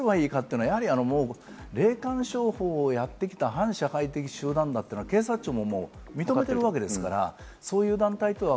どうすればいいかというのは霊感商法をやってきた反社会的集団だというのは警察庁も認めているわけですから。